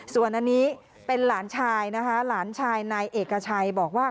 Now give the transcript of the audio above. ส่วนอันนี้เป็นหลานชายนะคะหลานชายนายเอกชัยบอกว่า